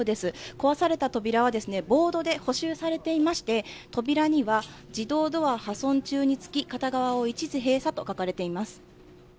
壊された扉はボードで補修されていまして、扉には、自動ドア破損中につき、片側を一時閉鎖と書かれています。